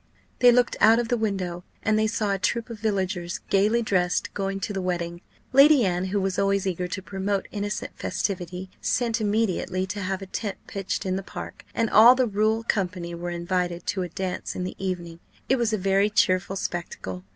They looked out of the window, and they saw a troop of villagers, gaily dressed, going to the wedding. Lady Anne, who was always eager to promote innocent festivity, sent immediately to have a tent pitched in the park; and all the rural company were invited to a dance in the evening: it was a very cheerful spectacle.